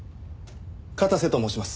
片瀬と申します。